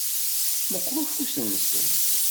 Meqqeṛ ufus-nsent.